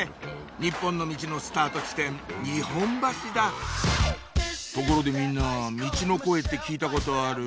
日本のミチのスタート地点日本橋だところでみんなミチの声って聞いたことある？